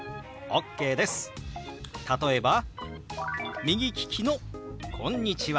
例えば右利きの「こんにちは」。